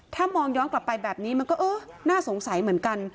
ถ้ามองย้อนกลับไปแบบนี้มันก็เออน่าสงสัยเหมือนกัน